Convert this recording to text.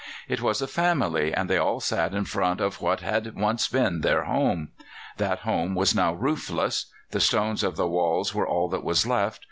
It was a family, and they sat in front of what had once been their home. That home was now roofless. The stones of the walls were all that was left.